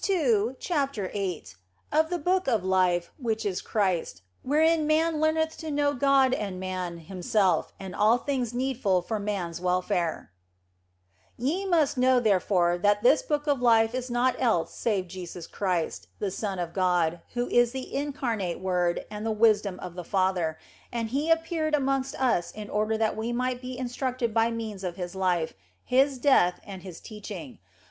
Amen. CHAPTER VIII OF THE BOOK OF LIFE, WHICH IS CHRIST, WHEREIN MAN LEARNETH TO KNOW GOD AND MAN, HIMSELF, AND ALL THINGS NEEDFUL FOR MAN S WELFARE YE must know, therefore, that this Book of Life is naught else save Jesus Christ, the Son of God, who is the In carnate Word and the Wisdom of the Father, and He appeared amongst us in order that we might be in structed by means of His life, His death, and His teach ing.